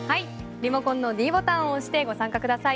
リモコンのｄボタンを押してご参加ください。